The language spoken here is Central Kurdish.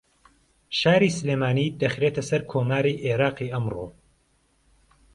شاری سلێمانی دەخرێتە سەر کۆماری عێراقی ئەمڕۆ